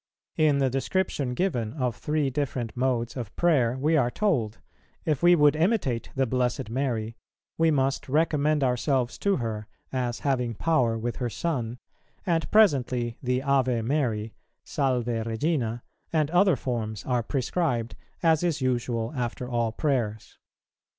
In the description given of three different modes of prayer we are told, if we would imitate the Blessed Mary, we must recommend ourselves to her, as having power with her Son, and presently the Ave Mary, Salve Regina, and other forms are prescribed, as is usual after all prayers.